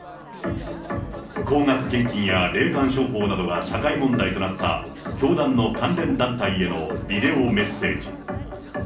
高額献金や霊感商法などが社会問題となった、教団の関連団体へのビデオメッセージ。